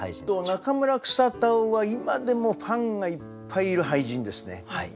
中村草田男は今でもファンがいっぱいいる俳人ですね。